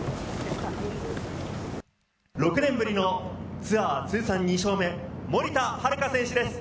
６年ぶりのツアー通算２勝目、森田遥選手です。